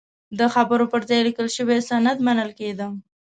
د خبرو پر ځای لیکل شوی سند منل کېده.